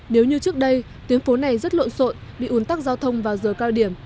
nếu như trước đây tuyến phố này rất lộn sộn bị uốn tắc giao thông vào giờ cao điểm